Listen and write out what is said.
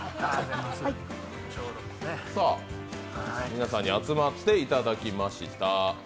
皆さんに集まっていただきました。